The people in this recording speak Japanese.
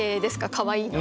かわいいの。